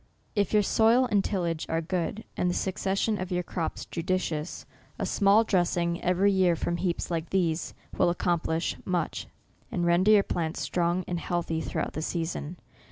If your soil and tillage are good, and the succession of your crops judicious, a small dressing every year from heaps like these, will accomplish much, and render your plants strong and healthy throughout the season.